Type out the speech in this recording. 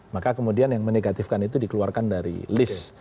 maka kemudian yang menegatifkan itu dikeluarkan dari list